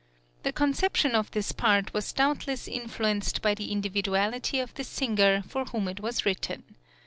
The conception of this part was doubtless influenced by the individuality of the singer for whom it was written.